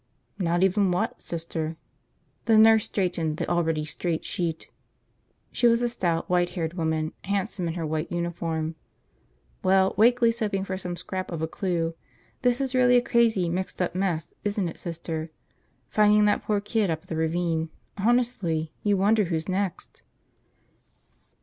"Not even what, Sister." The nurse straightened the already straight sheet. She was a stout white haired woman, handsome in her white uniform. "Well, Wakeley's hoping for some scrap of a clue. This is really a crazy, mixed up mess, isn't it, Sister? Finding that poor kid up the ravine, honestly, you wonder who's next."